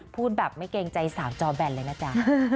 พูดแบบไม่เกรงใจสาวจอแบนเลยนะจ๊ะ